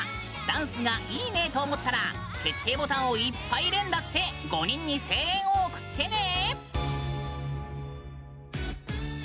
ダンスが「いいね」と思ったら決定ボタンをいっぱい連打して５人に声援を送ってね。